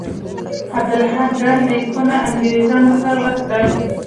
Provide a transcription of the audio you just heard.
عبدالحق دا لیکونه انګرېزانو ته ورکړل.